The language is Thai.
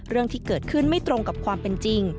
เรื่องที่เกิดขึ้นไม่ตรงกับความเป็นจริง